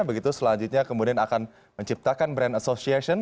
begitu selanjutnya kemudian akan menciptakan brand association